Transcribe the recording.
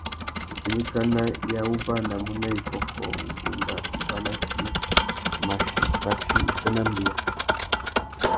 Itindikana i awubanamú na ikôkô, ngunga, ibanakí, machí, pachí, iffê na mbeya.